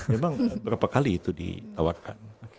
memang berapa kali itu ditawarkan